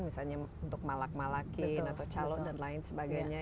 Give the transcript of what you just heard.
misalnya untuk malak malakin atau calon dan lain sebagainya